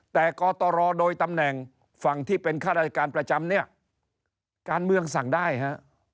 แต่กตรโดยตำแหน่งฝั่งที่เป็นข้าราชการประจำเนี่ยการเมืองสั่งได้ฮะ